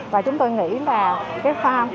và chúng tôi nghĩ là